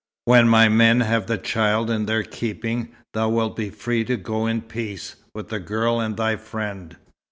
When my men have the child in their keeping, thou wilt be free to go in peace with the girl and thy friend."